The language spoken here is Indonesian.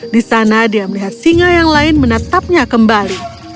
di sana dia melihat singa yang lain menatapnya kembali